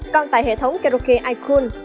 còn tại hệ thống karaoke ikun